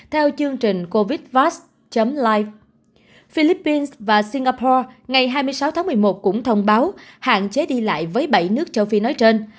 theo chương trình covid life philippines và singapore ngày hai mươi sáu tháng một mươi một cũng thông báo hạn chế đi lại với bảy nước châu phi nói trên